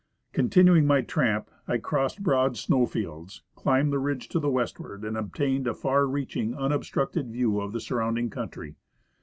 ( 'ontinuing my tramp, I crossed broad snow fields, climbed the ridge to the westward, and obtained a far reaching, unobstructed view of the surrounding country.